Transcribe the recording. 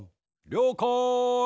りょうかい。